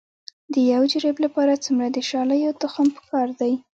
د یو جریب لپاره څومره د شالیو تخم پکار دی؟